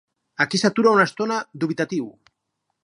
Aquí s'atura una estona, dubitatiu.